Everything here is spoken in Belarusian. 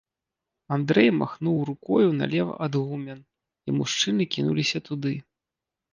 Андрэй махнуў рукою налева ад гумен, і мужчыны кінуліся туды.